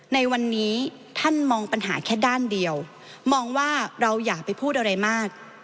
ในวันนี้ท่านมองปัญหาแค่ด้านเดียวมองว่าเราอย่าไปพูดอะไรมาก